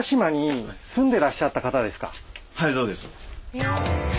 はいそうです。